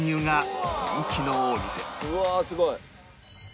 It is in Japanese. うわあすごい。